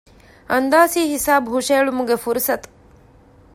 އަންދާސީ ހިސާބު ހުށަހެޅުމުގެ ފުރުޞަތު